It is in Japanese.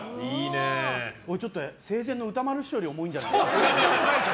これちょっと生前の歌丸師匠より重いんじゃないですか。